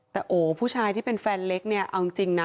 แต่โอ้ผู้ชายที่เป็นแฟนเล็กเนี่ยเอาจริงนะ